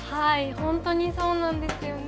本当にそうなんですよね。